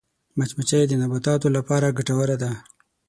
مچمچۍ د نباتاتو لپاره ګټوره ده